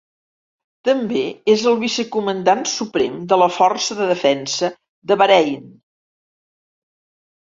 També és el vicecomandant suprem de la Força de Defensa de Bahrein.